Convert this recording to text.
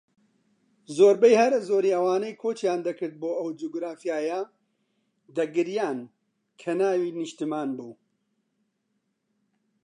زۆربەی هەرە زۆری ئەوانەی کۆچیان دەکرد بۆ ئەو جوگرافیایە دەگریان کە ناوی نیشتمان بوو